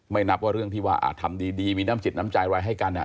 นับว่าเรื่องที่ว่าทำดีมีน้ำจิตน้ำใจอะไรให้กัน